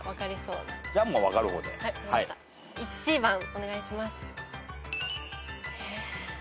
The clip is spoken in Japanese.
１番お願いします。